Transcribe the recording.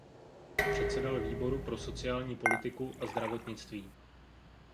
Předsedal výboru pro sociální politiku a zdravotnictví.